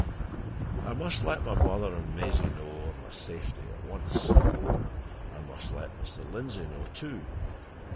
I must let my mother and Maisie know of my safety at once. I must let Mr. Lindsey know, too.